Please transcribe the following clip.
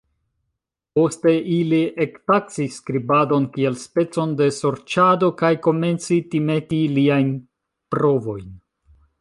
Poste, ili ektaksis skribadon kiel specon de sorĉado kaj komenci timeti liajn provojn.